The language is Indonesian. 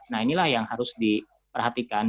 nah inilah yang harus diperhatikan